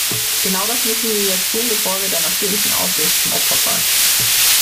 Genau das müssen wir jetzt tun, bevor wir der natürlichen Auslese zum Opfer fallen.